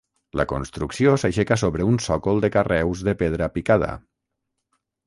La construcció s'aixeca sobre un sòcol de carreus de pedra picada.